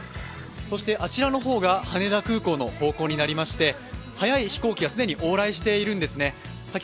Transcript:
そしてあちらの方が羽田空港の方向になりまして、早い飛行機は既に往来しているんです。